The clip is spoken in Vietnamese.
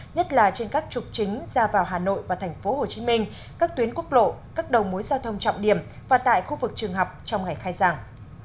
nhất là trên các trục chính ra vào hà nội và thành phố hồ chí minh các tuyến quốc lộ các đầu mối giao thông trọng điểm và tại khu vực trường học trong ngày khai giảng